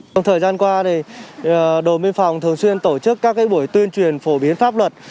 trong thời gian qua thì đồn biên phòng thường xuyên tổ chức các buổi tuyên truyền phổ biến pháp luật